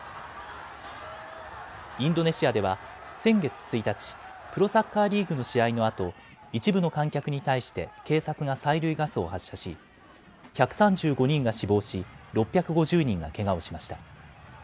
インドネシアでは先月１日、プロサッカーリーグの試合のあと一部の観客に対して警察が催涙ガスを発射し１３５人が死亡し６５０人がけがをしました。